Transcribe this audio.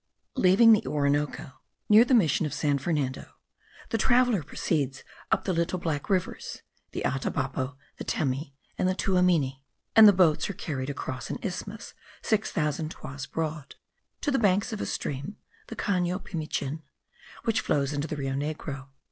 Leaving the Orinoco near the mission of San Fernando, the traveller proceeds up the little black rivers (the Atabapo, the Temi, and the Tuamini), and the boats are carried across an isthmus six thousand toises broad, to the banks of a stream (the Cano Pimichin) which flows into the Rio Negro.